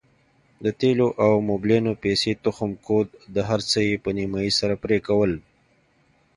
د تېلو او موبلينو پيسې تخم کود هرڅه يې په نيمايي سره پرې کول.